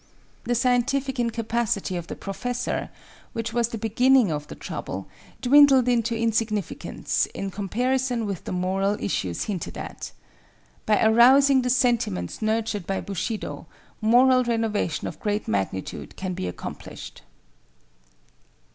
The scientific incapacity of the professor, which was the beginning of the trouble, dwindled into insignificance in comparison with the moral issues hinted at. By arousing the sentiments nurtured by Bushido, moral renovation of great magnitude can be accomplished.